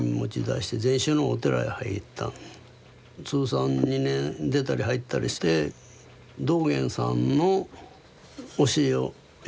通算２年出たり入ったりして道元さんの教えをやってる曹洞宗やったんです。